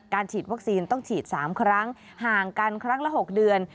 ฉีดวัคซีนต้องฉีด๓ครั้งห่างกันครั้งละ๖เดือน